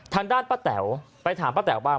ทางด้านป้าแต๋วไปถามป้าแต๋วบ้าง